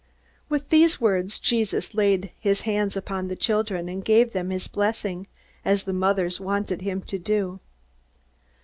With these words Jesus laid his hands upon the children and gave them his blessing, as the mothers wanted him to do.